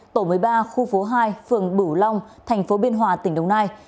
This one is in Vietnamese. tổ một mươi ba khu phố hai phường bửu long tp biên hòa tỉnh đồng nai